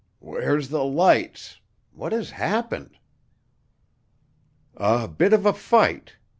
"Where's the lights? What has happened?" "A bit of a fight.